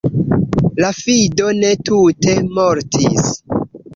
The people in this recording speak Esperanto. La fido ne tute mortis.